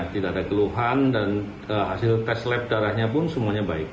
tidak ada keluhan dan hasil tes lab darahnya pun semuanya baik